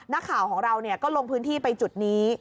นักข่าวของเราก็ลงพื้นที่ไปจุดนี้